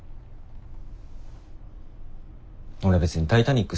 俺別に「タイタニック」